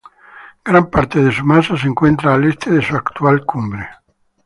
Gran parte de su masa se encuentra al este de su actual cumbre.